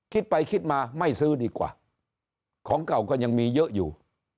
คิดไปคิดมาไม่ซื้อดีกว่าของเก่าก็ยังมีเยอะอยู่